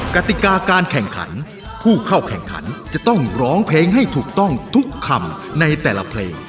กติกาการแข่งขันผู้เข้าแข่งขันจะต้องร้องเพลงให้ถูกต้องทุกคำในแต่ละเพลง